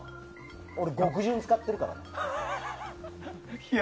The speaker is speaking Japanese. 俺、極潤使ってるから。